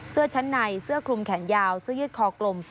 เสื้อชั้นในเสื้อคลุมแขนยาวเสื้อยืดคอกลม